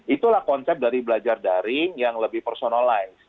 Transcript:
itulah konsep dari belajar daring yang lebih personalize